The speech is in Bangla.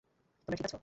তোমরা ঠিক আছ?